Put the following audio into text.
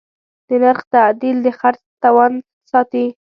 د نرخ تعدیل د خرڅ توازن ساتي.